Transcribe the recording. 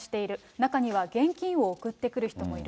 中には現金を送ってくる人もいる。